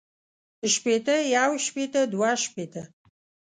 شپېتۀ يو شپېته دوه شپېته